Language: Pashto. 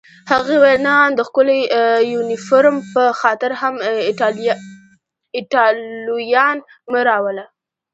هغې وویل: نه، آن د ښکلي یونیفورم په خاطر هم ایټالویان مه راوله.